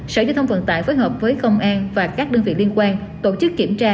sở giao thông vận tải phối hợp với công an và các đơn vị liên quan tổ chức kiểm tra